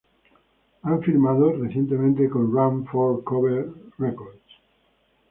Han firman recientemente con Run For Cover Records.